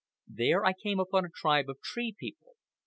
There I came upon a tribe of Tree People.